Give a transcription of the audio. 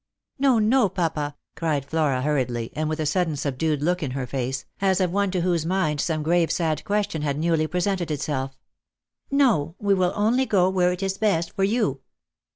"2To, no, papa," cried Flora hurriedly, and with a sudden subdued look in her face, as of one to whose mind some grave sad question had newly presented itself; "no, we will only go Lost for Love. 87 where it is best for yon.